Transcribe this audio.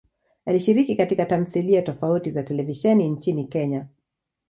Alishiriki katika tamthilia tofauti za televisheni nchini Kenya.